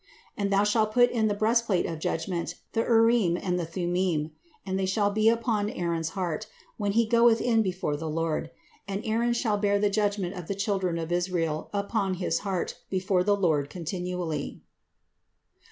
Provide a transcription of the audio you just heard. And thou shalt put in the breastplate of Judgment the Urim and the Thummim; and they shall be upon Aaron's heart, when he goeth in before the Lord: and Aaron shall bear the judgment of the children of Israel upon his heart before the Lord continually.